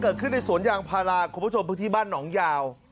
เกิดขึ้นในสวนยางพาราคุณผู้ชมพื้นที่บ้านหนองยาว